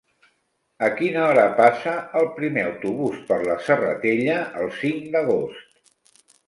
A quina hora passa el primer autobús per la Serratella el cinc d'agost?